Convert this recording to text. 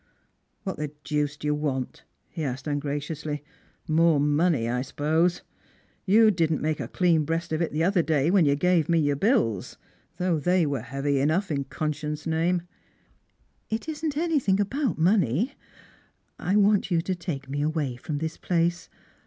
"What the deuce do you want?" he asked ungraciously ;*" more money, I suppose. Tou didn't make a clean breast of it the other day when you gave me your bills — though they were heavy enough, in conscience' name." " It isn't anything about money. I want you to take me away from this place.